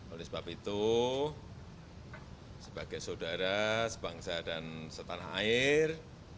oleh sebab itu sebagai saudara sebangsa dan setanah air